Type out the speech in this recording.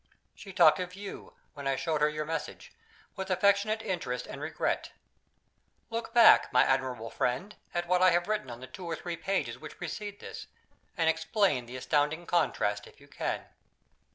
She talked of you, when I showed her your message, with affectionate interest and regret. Look back, my admirable friend, at what I have written on the two or three pages which precede this, and explain the astounding contrast if you can.